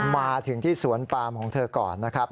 มาถึงที่สวนปามของเธอก่อนนะครับ